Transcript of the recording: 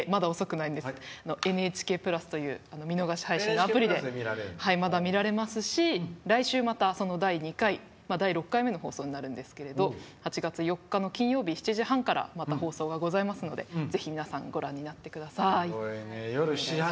ＮＨＫプラスという見逃し配信のアプリでまだ見られますし来週また第６回目の放送になるんですけど８月４日、金曜日７時半からまた放送がありますのでぜひ皆さんご覧になってください。